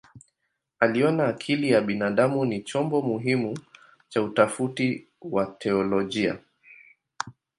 Aliona akili ya binadamu ni chombo muhimu cha utafiti wa teolojia.